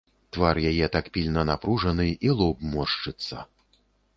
Твар яе так пільна напружаны, і лоб моршчыцца.